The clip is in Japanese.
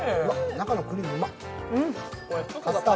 中のクリーム、うまっ！